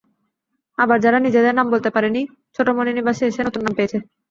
আবার যারা নিজেদের নাম বলতে পারেনি, ছোটমণি নিবাসে এসে নতুন নাম পেয়েছে।